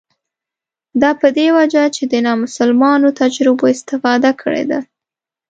دا په دې وجه چې له نامسلمانو تجربو استفاده کړې ده.